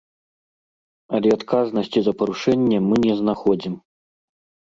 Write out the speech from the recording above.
Але адказнасці за парушэнне мы не знаходзім.